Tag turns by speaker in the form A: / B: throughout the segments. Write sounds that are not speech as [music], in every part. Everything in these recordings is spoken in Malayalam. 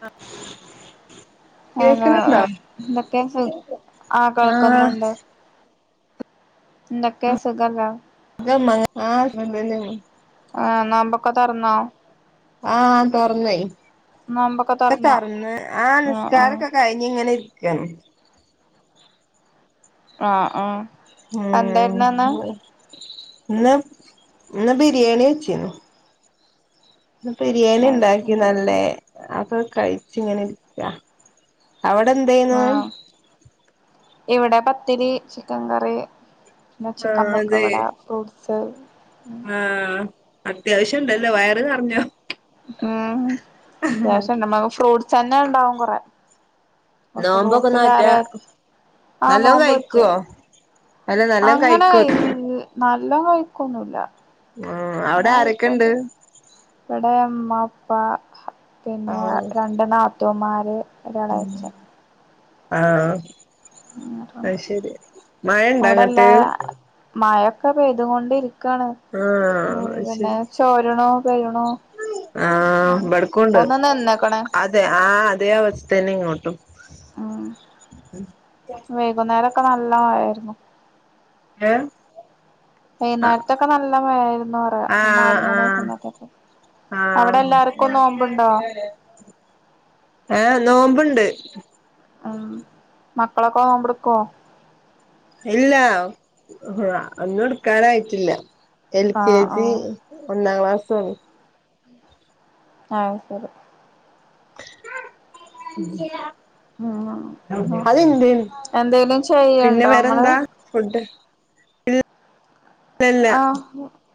A: അ
B: അ [unintelligible] ന്തൊക്കെ ഹ് അ
A: ആഹ്
B: കേൾക്കുന്നുണ്ട് ന്തൊക്കെ സുഖല്ലെ
A: [unintelligible] ആ [unintelligible]
B: ആ നോമ്പൊക്കെ തൊർന്നോ
A: ആ തൊർന്നേയ്
B: നോമ്പൊക്കെ
A: ക്കെ
B: തുറന്നോ
A: തൊർന്ന് ആ നിസ്കാരൊക്കെ കഴിഞ് ങ്ങനെ ഇരിക്കണ്
B: ആ ആഹ്
A: ഉം
B: അന്തായിര്ന്ന്ന്ന്
A: ഇന്ന് ഇന്ന് ബിരിയാണി വെച്ചീന്നു ന്ന് പിരിയാണി
B: അത് ശരി.
A: ണ്ടാക്കി നല്ലേ അപഹ് കഴിച് ങ്ങനെര്ക്ക അവടെ എന്തേന്നു
B: ആ ഇവിടെ പത്തിരി ചിക്കൻ കറി ന്നെ ചിക്കൻ
A: ആഹ് അതെ
B: പൊക്കവട ഫ്രൂട്ട് സ്
A: ആഹ് അത്യാവശ്യണ്ടല്ലോ വയറ് നർഞ്ഞോ
B: ഉം അത്യാവശ്യംന്നമ്മ ഫ്രൂട്ട്സന്നെ ണ്ടാവും കൊറെ
A: നോമ്പോക്കെ
B: ഫ്രൂട്ട്സ്
A: ന്നോറ്റ
B: കാരറ്റ് ആ
A: നല്ലോ
B: നോമ്പ് നോറ്റ്
A: കഴിക്കോ അല്ല നല്ലോം
B: അങ്ങനെ
A: കഴിക്കോ
B: കൈക് നല്ലോം കഴിക്കൊന്നുല്ല
A: ആഹ് അവിടെ ആരൊക്കെണ്ട്
B: ആഐകോട്ടെ ഇവടെ മ്മാക്ക് പ്പ പിന്നെ
A: ആഹ്
B: രണ്ട് നാത്തൂമാര് ഒരെളയച്ചൻ
A: ആ അ
B: അങ്ങനെണ്ട്
A: ശരി മഴണ്ടൊ അങ്ങട്ട്
B: ക്കെ പെയ്തുകൊണ്ടിരിക്കാണ്
A: ആഹ്
B: ഉം
A: അത്
B: പിന്നെ ചോരുണോ പെയ്യുണോ
A: ആ ബട്ക്കുണ്ട്
B: നിന്ന്ക്ക്ണ്
A: അതെ ആ അതേ ആവസ്ത്തന്നെ ഇങ്ങോട്ടും
B: ഉം
A: ഉം
B: വൈകുന്നേരൊക്കെ നല്ല മഴരുന്നു
A: എ
B: വൈകുന്നേര്ത്തൊക്കെ നല്ല മഴായിരുന്നു പറയാ ഒരു നാല് മണി സമയത്തൊക്കെ
A: ആ
B: അവിടെ എല്ലാർക്കും നോമ്പുണ്ടോ
A: ഏ നോമ്പ്ണ്ട്
B: ഉം മക്കളൊക്കോമ്പ്ട്ക്കോ
A: ഇല്ല ഒന്നും എടുക്കാനായിട്ടില്ല എൽ കെ
B: ആഹ്
A: ജി
B: ആഹ്
A: ഒന്നാം ക്ലാസ്
B: ആഹ് ശരി ഉം അ
A: അത്ണ്ട്
B: എന്തെലും
A: പിന്നെ
B: ചെയ്യ്ണ്ടോ ങ്ങള്
A: വേറെന്താ
B: [inaudible]
A: ഫുഡ് ഇല്ലല്ല
B: ആ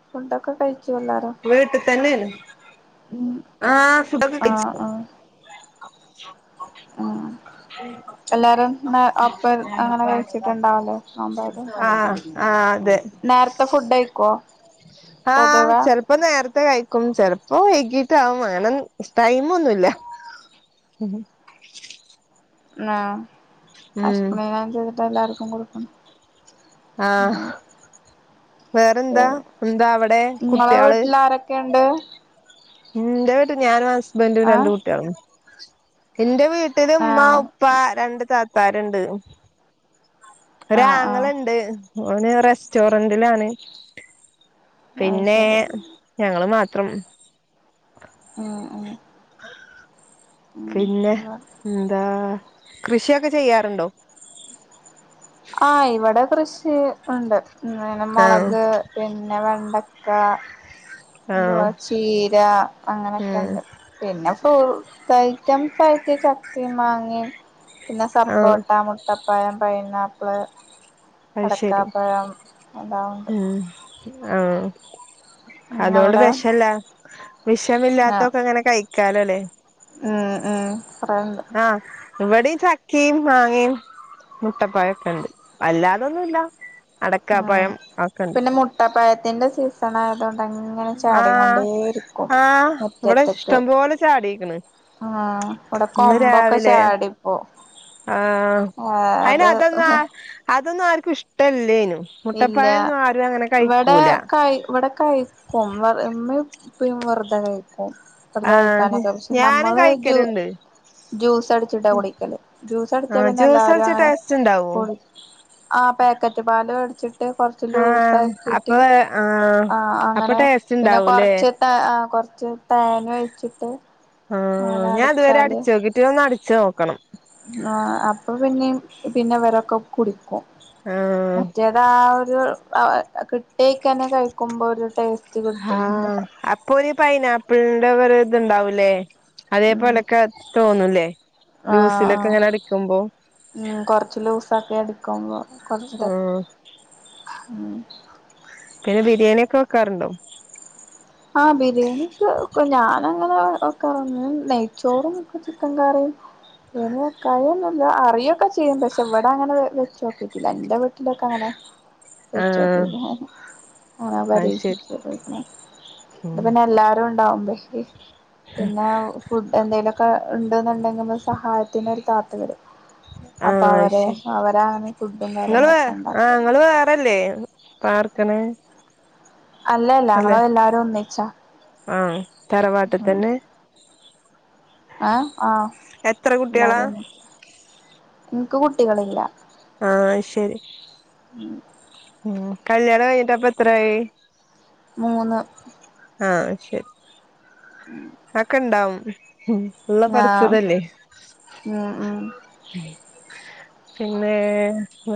B: ഫുഡൊക്കെ കഴി
A: വീട്ടി തന്നെണ്
B: ഉം
A: ആ ഫുഡൊക്കെ കയിച്
B: ആ ആ എല്ലാരും ന്ന അപ്പ അങ്ങനെ കഴിച്ചിട്ടുണ്ടാവ് ലേ ന്നാമ്പാര്
A: ആഹ് ആഹ്
B: നേരത്തെ ഫുഡയിക്കോ
A: ആ ചെൽപ്പം നേരത്തെ കഴിക്കും ചെലപ്പം വൈകി ത്തെ ആ ഉ അങ്ങനെൻ ടൈമ് ഒന്നുല്ല
B: ആ [unintelligible] ചെയ്തിട്ട് എല്ലാർക്കും കൊടുക്കണം
A: ആ
B: ഉം
A: വേറെന്താ
B: ശരി
A: എന്താ അവടെ
B: ഇങ്ങളെ
A: കുട്ട്യാള്
B: വീട്ടിൽ ആരൊക്കെയുണ്ട്
A: ന്റെ വീട്ടി ഞാനും ഹസ്ബൻറും രണ്ട്
B: ആഹ്
A: കുട്ട്യാളും ന്റെ വീ ട്ടില് ഉമ്മ
B: ആഹ്
A: ഉപ്പ രണ്ട് താത്താര്ണ്ട് ഒരു
B: ആഹ്
A: ആങ്ങള
B: ആഹ്
A: ഉണ്ട്, ഓന് റസ്റ്റോറന്റിലാണ്
B: അത്
A: പിന്നെ
B: ശരി
A: ഞങ്ങള് മാത്രം
B: ഉം ഉം
A: പിന്നെ
B: ഉം
A: എന്താ കൃഷിയൊക്കെ ചെയ്യാറുണ്ടോ
B: ആ, ഇവിടെ കൃഷി ഉണ്ട്, പിന്നെ
A: ആഹ്
B: മുളക് പിന്നെ വെണ്ട ചക്ക
A: ആഹ്
B: എന്തുവാ ചീര അങ്ങനെയൊക്കെ
A: ഉം
B: ഉണ്ട് പിന്നെ ഫ്രു കയറ്റം ആയിട്ട് ചക്കയും മാങ്ങയും പിന്നെ
A: ആഹ്
B: സപ്പോട്ട, മുട്ടപ്പായം പൈനാപ്പിള്
A: അ ശരി
B: അടക്കാപ്പഴം എല്ലാം ഉണ്ട്
A: ഉം ആ അതുകൊണ്ട്
B: അവിടെ
A: വിഷല്ല,
B: ആ
A: വിഷമില്ലാത്തൊക്കെ അങ്ങനെ കഴ കഴികോലല്ലേ
B: ഉം ഉം പറയാനണ്ട്
A: ഇവിടെ ചക്കയും, മാങ്ങയും മുട്ടപ്പഴൊക്കെ ഇണ്ട് അല്ലാതൊന്നുമില്ല
B: ഉം, പിന്നെ മുട്ടപ്പായത്തിന്റെ സീസൺ ആയതോണ്ട് അങ്ങനെ ചാടി
A: ആഹ്
B: കൊണ്ടേ ഇരിക്കും
A: ആഹ് ഇവിടെ
B: മുറ്റത്ത്ക്ക്
A: ഇഷ്ടംപോലെ ചാടിക്ക്ണ്
B: ഉം, ഇവിടെ കൊമ്പൊക്കെ ചാടിപ്പോ
A: ആ
B: ആ
A: അയിന് അതൊന്ന
B: അത്
A: അതൊന്നും ആർക്കും ഇഷ്ടല്ലേനും
B: ഇല്ല
A: മുട്ടപ്പായൊന്നും ആരും അങ്ങനെ
B: ഇവിടെ
A: കഴിക്കൂല
B: കയ് ഇവിടെ കഴിക്കും ഉമ്മയും, ഉപ്പയും വെറുതെ കഴിക്കും വെറുതെ
A: ആഹ്
B: കഴിക്കാനൊക്കെ പക്ഷെ
A: ഞാനും
B: നമ്മള് ജ്യൂ
A: കഴിക്കലുണ്ട്
B: ജ്യൂസ് അടിച്ചിട്ടാ കുടിക്കല്, ജ്യൂസ് അടിച്ചാ
A: ആഹ്
B: പിന്നെ
A: ജ്യൂസ്
B: എല്ലാരും
A: അടിച്ച
B: അങ്ങനെ
A: ടേസ്റ്റ് ഉണ്ടാവോ
B: ആ പാക്കറ്റ് പാല മേടിച്ചിട്ട് കൊറച്ച്
A: ആഹ്
B: ലൂസാക്കിട്ട്
A: അപ്പൊ ആഹ്
B: ആ
A: അപ്പൊ
B: അങ്ങനെ,
A: ടേസ്റ്റ്
B: പിന്നെ
A: ഉണ്ടാവൂലേ
B: കൊറച്ച് തേങ്ങ ഒഴിച്ച്
A: ആ, ഞാൻ ഇതുവരെ അടിച്ചു നോക്കിട്ടില്ല, ഒന്ന് അടിച്ചു നോക്കണം
B: ആ അപ്പൊ പിന്നെ പിന്നെ വരൊക്കെ കുടിക്കും,
A: ആഹ്
B: മറ്റേത് ആണെ കിട്ടേക്കന്നെ കഴിക്കുമ്പോ ഒരു ടേസ്റ്റ്
A: ആ,
B: കിട്ടണ്ട്
A: അപ്പൊ ഒരു പൈനാപ്പിളിന്റെ വേറെ ഇതുണ്ടാവൂലേ അതേപോലൊക്കെ തോന്നില്ലേ
B: ആ, ആ, ഉം, കൊറച്ച് ലൂസാക്കെ ക്കുമ്പം കൊറച്ചത്
A: ആഹ്
B: ഉം
A: പിന്നെ ബിരിയാണി ഒക്കെ വെക്കാറുണ്ടോ
B: ആ, ബിരിയാണിക്ക് ഞാന വയ്ക്കാറുണ്ട്, നെയ്ച്ചോറും ഒക്കെ ചിക്കൻ കറിയും അങ്ങനെ വെക്കാഴി ഒന്നുമില്ല അറിയൊക്കെ ചെയ്യും, പക്ഷെ ഇവിടെ അങ്ങനെ വെച്ചോക്കിട്ടില്ല, എന്റെ വീട്ടിലൊക്കെ അങ്ങനെ [unintelligible]
A: ആഹ്
B: വച്ചോക്കിട്ട്
A: അത് ശരി
B: പരീക്ഷിച്ച് ഇവിടെ
A: ഉം
B: പിന്നെ എല്ലാർക്കും ഉണ്ടാവുമ്പ പിന്നെ ഫുഡ് എന്തേലുമൊക്കെ ഉണ്ട് എന്നുണ്ടെങ്കിൽ സഹായത്തിന് ഒരു താത്ത വരും
A: ആ
B: അപ്പൊ അവര്
A: അത്ശരി,
B: അവരാണ് ഫുഡും
A: നിങ്ങള്
B: കാര്യങ്ങളൊക്കെ
A: ആ
B: ഉണ്ടാക്ക
A: നിങ്ങള് വേറെല്ലേ പാർക്കണേ
B: അല്ലല്ല ഞങ്ങള് എല്ലാരും ഒന്നിച്ചാ
A: ആഹ് തറവാട്ട് തന്നെ
B: ആ, ആ,
A: എത്ര കുട്ടികളാ
B: എല്ലരൊന്നും എനിക്ക് കുട്ടികളില്ല
A: ആ, ശരി,
B: ഉം
A: ഉം കല്യാണം കഴിഞ്ഞിട്ടപ്പ എത്രായി
B: മൂന്ന്
A: ആ ശരി അക്കെ ഇണ്ടാവും ഉ, ഉള്ള
B: ആഹ്
A: പഠിച്ചതല്ലേ
B: ഉം ഉം
A: പിന്നെ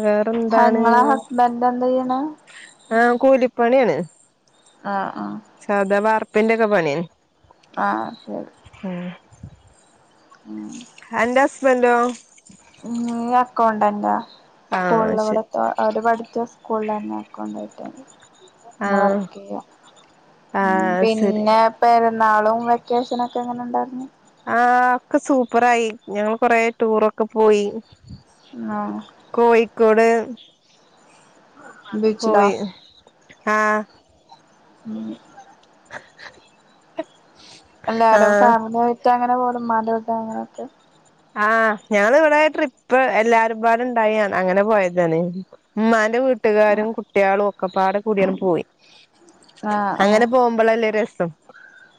A: വേറെന്താണ്
B: ഇങ്ങളെ ഹസ്ബൻഡ് എന്താ ചെയ്യണ്
A: ആഹ് കൂലിപ്പാണിയാണ്
B: ആഹ് ആ
A: സദാ വാർപ്പിൻ്റെ ഒക്കെ പണിയന്ന്
B: ആഹ് ശരി ഉം
A: അൻ്റെ ഹസ്ബൻറോ
B: അക്കൗണ്ടന്റാ
A: ആഹ്
B: സ്കൂളിലവിടെ
A: ശരി
B: ഒറര് പഠിച്ച സ്കൂളിൽന്നെയ അക്കൗണ്ടൻ്റ അങ്ങനെ
A: ആഹ്
B: വർക്ക് ചെയ്യ
A: ആഹ് ശരി
B: പെരുന്നാളും വെക്കേഷന ഒക്കെ അങ്ങനെ ഉണ്ടായിരുന്നു
A: ആ ഒക്കെ സൂപ്പറായി ഞങ്ങള് കൊറെ ടൂറൊക്കെ പോയി
B: ആഹ്
A: കോഴിക്കോട്
B: ബീച്ചിലോ
A: പോയ് ആഹ്
B: ഉം
A: [unintelligible]
B: എല്ലടും
A: ആഹ്
B: ഫാമിലിയായിട്ട് അങ്ങനെ പോലുംമാന്റെടെ അങ്ങനെയൊക്കെ
A: ആഹ് ഞങ്ങള് ഇവിടൊയിട്ട്. ട്രിപ്പ് എല്ലാരരുുംപാടുും ഉണ്ടായിണ് അങ്ങനെ പോയതാണ് ഉമ്മാന്റെ വീട്ട് വട്ടുകാരും കുട്ട്യാളും ഒക്കെ പാടെ കൂടിയ പോയി
B: ആഹ് ആഹ്
A: അങ്ങനെ പോകുമ്പോളല്ല അ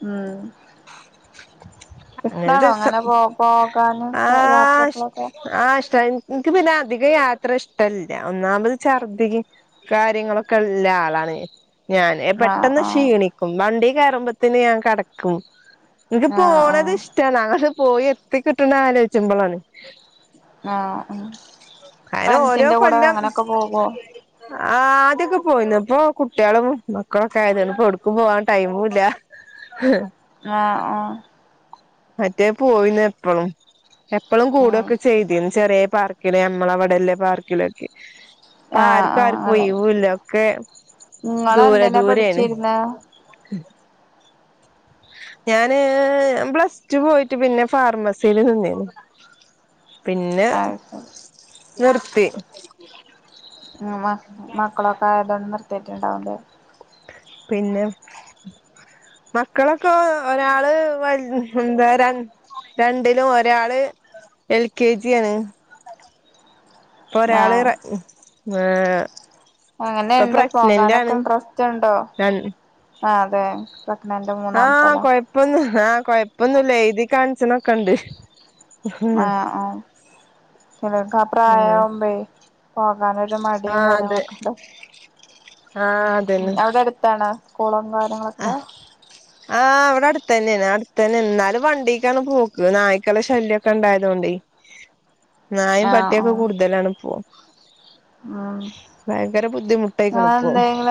B: ഉം ഇഷ്ടാണോ അങ്ങനെ പോ പോക്കാ
A: ആഹ് ആ ആ ഇഷ്ട എനിക്ക് പിന്നെ അധികം യാത്ര ഇഷ്ടല്ല ഒന്നാമത് ഛർദ്ദിക കാര്യങ്ങളൊക്കെ ഇല്ല ആളാണ് ഞാന്
B: ആഹ്
A: പെട്ടെന്ന്
B: ആഹ്
A: ക്ഷീണിക്കും വണ്ടി കയറുമ്പത്തേന് ഞാൻ കെടക്കും നിനിക്ക്
B: ആഹ്
A: പോണത്
B: ആഹ്
A: ഇഷ്ടാണ് അങ്ങത് പോയി എത്തി കിട്ടണ ആലോചിച്ച്പോളാണ്
B: ആ ഉ ഫ്രണ്ട്സിന്റെ കൂടെ അങ്ങനെയൊക്കെ പോകോ
A: ആ ആദ്യൊക്കെ പോയിന്ന ഇപ്പൊ കുട്ടികളും മക്കളൊക്കെ ആയിന്നു ഇപ്പൊ എടുക്കും പോവാൻ ടൈമും ഇല്ല ഹം
B: ആ
A: മറ്റേ പോയിന്ന് എപ്പളും എപ്പളും
B: ഉം
A: കൂടൊക്കെ ചെയ്തിന്ന് ചെറിയ പാർക്ക് നമ്മളെ അവിടല്ലെ പാർക്കിലൊക്കെ അപ്പ
B: ആഹ്
A: ആർക്കും ആർക്കും ഒയാവൂല്ല ഒക്കെ
B: നിങ്ങള്
A: ദൂരെ
B: എന്തിനാ
A: ദൂരെയാണ്
B: പഠിച്ചിരുന്നെ
A: ഞാന് പ്ലസ് ടു പോയിട്ട് പിന്നെ ഫാർമസിൽ നിന്നയാന്ന് പിന്നെ
B: അത് ശരി
A: നിർത്തി
B: ഉ മക്കളൊക്കെ ആയതൊണ്ട് നിർത്തിട്ടുണ്ടാവല്ലേ
A: പിന്നെ മക്കളൊക്കെ ഒരാള് വൽ എന്ത രൺ രണ്ടിലും ഒരാള് എൽ കെ ജിയാണ് ഇപ്പൊ ഒരാള് റ ആ
B: അങ്ങനെയുണ്ട് പോകാനൊക്കെ ഇൻട്രസ്റ്റ് ഉണ്ടോ ആ അതെ പ്രഗ്നന്റ്
A: ആ
B: മൂന്നാമത്തല്ലേ
A: കൊഴപ്പൊന്നും ആ കൊഴപ്പൊന്നുംല്ല എഴുതി കാണിച്ചനൊക്കെണ്ട്
B: ആ ആ ചെലർക്കാ
A: ആഹ്
B: പ്രായാമ്പളേ അനൊരു മടിയും
A: അതെ
B: കാര്യങ്ങളൊക്കെ ഉണ്ടോ
A: ആഹ്
B: ഉം
A: അതന്നെ
B: എവിടെ അടുത്താണ് സ്കൂളും കാര്യങ്ങളൊക്കെ
A: ആഹ് അവിടെ അടുത്ത തന്നെയാണ് അടുത്ത തന്നെ എന്നാലും വണ്ടീക്കാണ് പോക്ക് നായ്ക്കള ശല്യക്കെ ഇണ്ടായത് കൊണ്ടെ നായും പട്ടിയൊക്കെ കൂടുതലാണ് പോവും
B: ആ അങ്ങനെ
A: ബുദ്ധിമുട്ടായിക്കണ് ഇപ്പൊ
B: എന്തങ്കില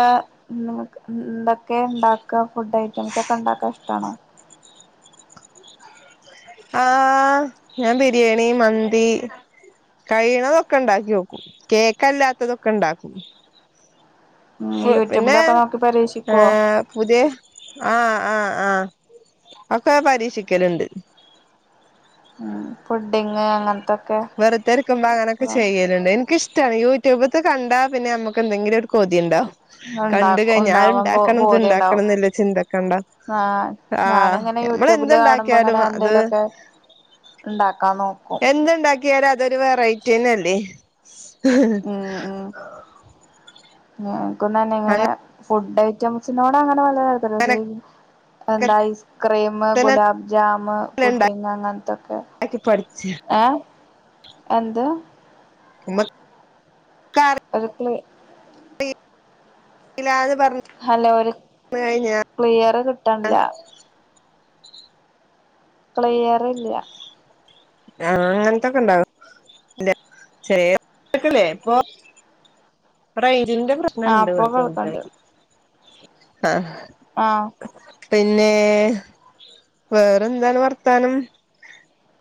B: എന്തൊക്കെ ഇണ്ട ഫുഡ് ഐറ്റംസ് ഒക്കെ ഉണ്ടാക്കാൻ ഇഷ്ടാണോ
A: ആ ഞാൻ ബിരിയാണി മന്തി കഴിയണതൊക്കെ ഉണ്ടാക്കി നോക്കും കേക്കല്ലാത്തതൊക്കെ ഇണ്ടാക്കും
B: ഉം
A: പിന്നെ
B: യൂട്യൂബിലൊക്കെ നോക്കി
A: ആ
B: പരീക്ഷിക്കുവോ
A: പുതിയ ആ ആ ആ ഒക്കെ പരീക്ഷിക്കലുണ്ട്
B: ഉ പുഡിങ് അങ്ങനത്തെ
A: വെറുതെരിക്കുമ്പ അങ്ങനൊക്കെ ചെയ്യലുണ്ട് എനിക്കിഷ് ടാണ് യൂട്യൂബ് കണ്ടാ പിന്നെ നമുക്ക് എന്തെങ്കിലും ഒരു കൊതിയ്ണ്ടോ കണ്ട്
B: ഉണ്ടാക്കും
A: കഴിഞ്ഞാ ആരു
B: ഉണ്ടാവാൻ പോ
A: ഇണ്ടാക്കണം
B: പൂതിയുണ്ടാവും
A: തുണ്ടാക്കണംന്നല്ലോ ചിന്തക്കണ്ട
B: ആഹ്
A: ആ
B: ഞാനിങ്ങനെ
A: മ്മള
B: യൂട്യൂബില്
A: എന്ത്ണ്ടാക്കിയാലും അത്
B: ഉണ്ടാക്കാന്നോ
A: എന്തുണ്ടാക്കിയാലും അതൊരു വെറൈറ്റിന്നല്ലേ ആ
B: നമുക്കന്ന ഇങ്ങനെ ഫുഡ് ഐറ്റംസിനോട് അങ്ങനെ വലിയ താത്
A: അങ്ങനൊക്കെ
B: എന്താ ഐസ്ക്രീം
A: തന്നെ
B: ഗുലാബ് ജാം പുട്ടിങ് അങ്ങനത്തൊക്കെ
A: ഉണ്ടാക്കി പഠിച്ച്
B: ഏ എന്ത്
A: ഹമ
B: [unintelligible]
A: ഇല്ല അത്
B: ഹലോ ഒരു വിയറ് കിട്ടണില്ല ക്ലിയറില്ല
A: ആ അങ്ങനത്തൊക്കെ ഇണ്ടാവും ഇല്ല ശരിക്കല്ലേ ഇപ്പൊ റൈഞ്ചിന്റെ
B: ആ
A: പ്രശ്നണ്ട്
B: ഇപ്പൊ
A: ഇവിടെ
B: കേൾക്കണ്ട്
A: ചെറുതായി ആഹ്
B: ആഹ്
A: പിന്നെ വേറെന്താണ് വർത്താനം?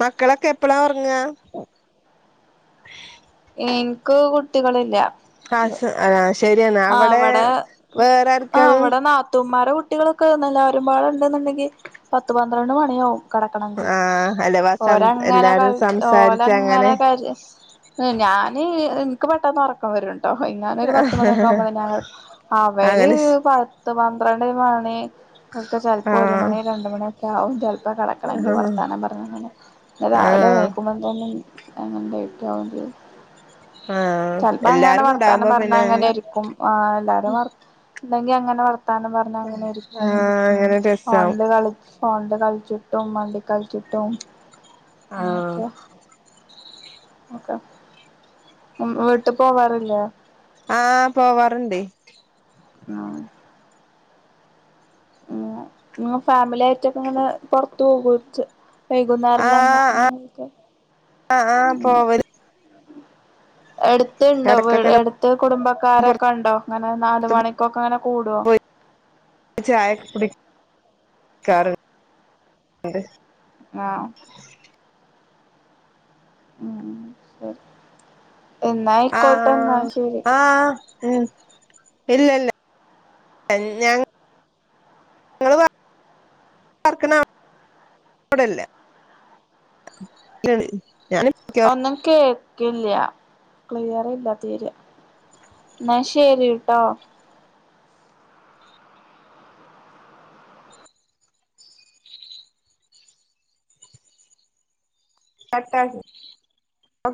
A: മക്കളൊക്കെ എപ്പളാ ഉറങ്ങാ?
B: എനിക്ക് കുട്ടികളില്ല.
A: [unintelligible]
B: ആ
A: അവിടെ
B: വടെ
A: വേറെ
B: ആ
A: ആർക്കാണ്
B: അവിടെ നാത്തൂൻമാരെ കുട്ടികളൊക്കെ എല്ലാവരുംപാടെണ്ട്ന്നുണ്ടെങ്കിൽ പത്ത് പന്ത്രണ്ട് മണിയാവും. കിടക്കണമെങ്കിൽ
A: ആ അല്ല വ സം
B: ഓരങ്ങനെ ക
A: എല്ലാരും സംസാരിച്ച് അങ്ങനെ
B: ഓരങ്ങനെ ക ഞാന് ക്ക് പെട്ടെന്ന് ഉറക്കം വരുംട്ടോ ഞാന് ഒരു പത്ത് മണിയൊക്കെ ആകുമ്പോ തന്നെ ഞ
A: അങ്ങനെ
B: അവ പത്ത് പന്ത്രണ്ട് മണി ഒക്കെ
A: ആ
B: ചെലപ്പോ ഒരു മണി രണ്ട് മണിയൊക്കെ ആവും ചെല പ്പാ കെടക്കണെങ്കി
A: ആ
B: വർത്താനം പറഞ്ഞങ്ങനെ പിന്നെ
A: ആ
B: രാവിലെ എണിക്കുമ്പോത്തേനും ഞങ്ങൾടെ ഏറ്റോം ആദ്യോ
A: ആ
B: ചെലപ്പോ അങ്ങനെ
A: എല്ലാരും
B: വർത്താനം
A: ഉണ്ടാവുമ്പോ
B: പറഞ്ഞാ
A: പിന്നെ
B: അങ്ങനെരിക്കും ആഹ്‌ എല്ലാരും വർ ഇല്ലെങ്കി അങ്ങനെ വർ ത്താനം പറഞ്ഞ അങ്ങനെ
A: ആ
B: ഇരിക്കും
A: അങ്ങനെ രസാവും
B: ഫോൺല് കളി ഫോൺല് കളിച്ചിട്ടും വണ്ടി കളിച്ചിട്ടും
A: ആഹ്
B: ഓക്കേ വീട്ട് പോവാറില്ലേ
A: ആഹ് പോവാറ്ണ്ടേ
B: ആഹ് ഉം ഇങ്ങ് ഫാമിലി ആയിട്ടൊക്കെ ഇങ്ങനെ പൊറത്തു പോകു [unintelligible] വൈകുന്നാർല്ലാം ഇങ്ങ ഇങ്ങള്ക്ക്
A: ആഹ് ആഹ് പോവല്
B: എടുത്ത്ണ്ടോ
A: ഇടക്കൊക്കെങ്ങനെ
B: എടുത്ത് കുടുംബക്കാരൊക്കെ ഒണ്ടോ അങ്ങനെ നാല് മണിക്കൊക്കെ അങ്ങനെ കൂടുവോ
A: ചായക്കെ കുടിക്കാറ് ണ്ട്
B: ആഹ് ഉം ശെരി
A: ആ
B: എന്നായിക്കോട്ടെ എന്നാ ശെരി
A: ആ ഉം ഇല്ലല്ല ഞാൻ [unintelligible] പാർക്കണ അവ്ടെല്ലേ [unintelligible]
B: ഒന്നും കേ ക്ക്ല്ല്യ ക്ലിയറില്ല തീരെ എന്നാ ശെരി ട്ടോ
A: കട്ടാക്ക് ഓക്കെ